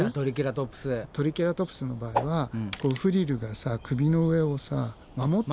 トリケラトプスの場合はフリルがさ首の上を守ってる。